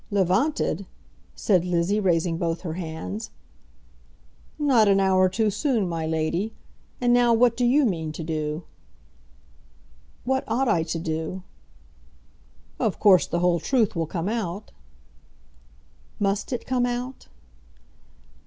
"Levanted!" said Lizzie, raising both her hands. "Not an hour too soon, my lady. And now what do you mean to do?" "What ought I to do?" "Of course the whole truth will come out." "Must it come out?"